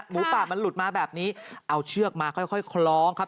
หมูป่ามันหลุดมาแบบนี้เอาเชือกมาค่อยคล้องครับ